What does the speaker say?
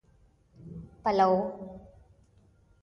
پلو